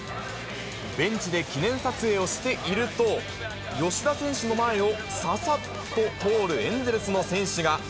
ベンチで記念撮影をしていると、吉田選手の前をささっと通るエンゼルスの選手が。